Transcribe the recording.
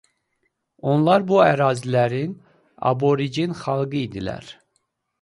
Onlar bu ərazilərin aborigen xalqı idilər.